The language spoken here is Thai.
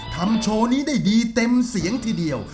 ทำโชว์นี้ได้ดีเต็มเสียงทีเดียว